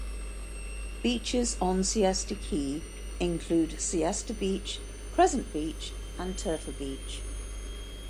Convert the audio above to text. Beaches on Siesta Key include Siesta Beach, Crescent Beach, and Turtle Beach.